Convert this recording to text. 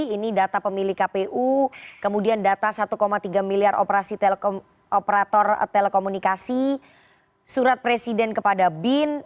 ini data pemilih kpu kemudian data satu tiga miliar operator telekomunikasi surat presiden kepada bin